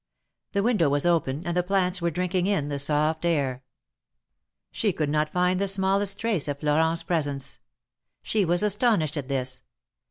The window was open, and the plants were drinking in the soft air. She could find not the smallest trace of Florent^s presence. She was astonished at this.